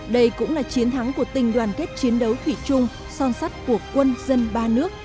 đây cũng là chiến thắng của tình đoàn kết chiến đấu thủy chung son sắt của quân dân ba nước